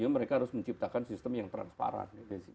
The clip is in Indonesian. mereka harus menciptakan sistem yang transparan